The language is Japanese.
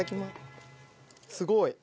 すごい！